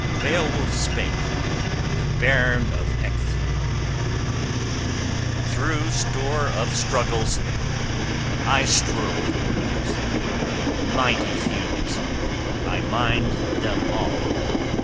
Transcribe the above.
Beowulf spake, the bairn of Ecgtheow: "Through store of struggles I strove in youth, mighty feuds; I mind them all.